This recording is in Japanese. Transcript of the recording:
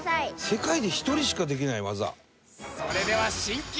世界で１人しかできない技？